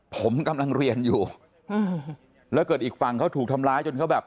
ผมกำลังเรียนอยู่อืมแล้วเกิดอีกฝั่งเขาถูกทำร้ายจนเขาแบบ